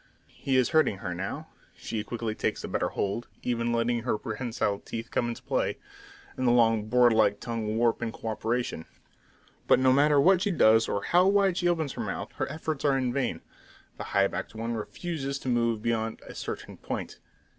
He is hurting her now. She quickly takes a better hold, even letting her prehensile teeth come into play, and the long board like tongue warp in co operation; but no matter what she does, or how wide she opens her mouth, her efforts are in vain: the high backed one refuses to move beyond a certain point.